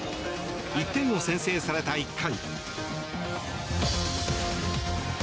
１点を先制された１回。